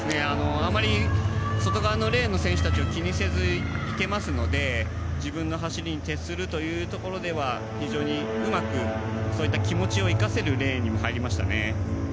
あまり外側のレーンの選手たちは気にせず行けますので自分の走りに徹するところでは非常にうまくそういった気持ちを生かせるレーンに入りましたね。